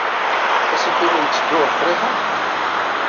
Asakal-a yetteddu ɣer Friḥa?